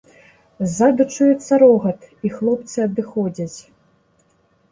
Ззаду чуецца рогат, і хлопцы адыходзяць.